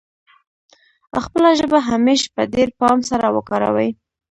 خپله ژبه همېش په ډېر پام سره وکاروي.